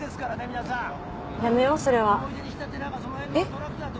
皆さんやめようそれはえっ？